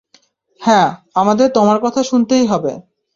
হ্যাঁ, আমাদের তোমার তো কথা শুনতেই হবে।